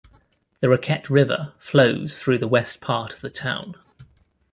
The Raquette River flows through the west part of the town.